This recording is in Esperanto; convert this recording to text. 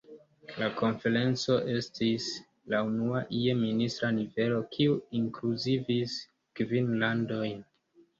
La konferenco estis la unua je ministra nivelo, kiu inkluzivis kvin landojn.